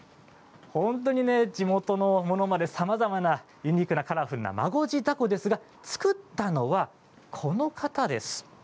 地元のものまでさまざまなユニークなカラフルな孫次凧ですが作ったのは、この方です。